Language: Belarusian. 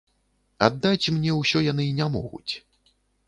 Аддаць мне ўсё яны не могуць.